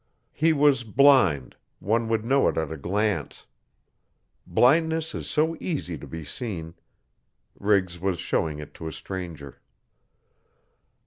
He was blind. One would know it at a glance. Blindness is so easy to be seen. Riggs was showing it to a stranger.